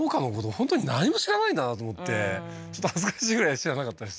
本当に何も知らないんだなと思ってちょっと恥ずかしいぐらい知らなかったです